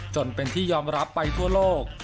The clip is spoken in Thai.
จนเป็นที่ยอมรับไปทั่วโลก